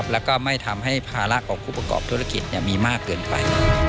แล้วก็ไม่ทำให้ภาระของผู้ประกอบธุรกิจมีมากเกินไป